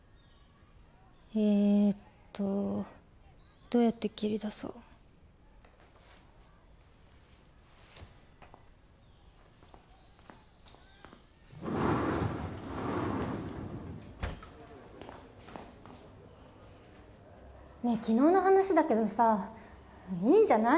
えっとどうやって切り出そうねぇ昨日の話だけどさぁいいんじゃない？